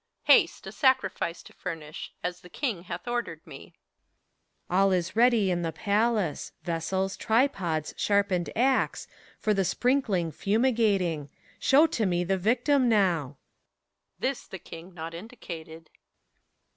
Haste, a sacrifice to furnish, as the king hath ordered me! PHORKYAS. All is ready in the palace — ^vessels, tripods, sharpened axe, For the sprinkling, fumigating: show to me the vic tim now! HELENA. This the king not indicated.